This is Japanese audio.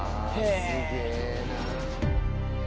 すげえな。